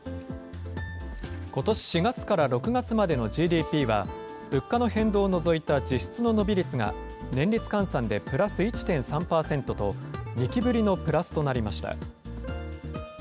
ことし４月から６月までのＧＤＰは、物価の変動を除いた実質の伸び率が、年率換算でプラス１．３％と、２期ぶりのプラスとなりました。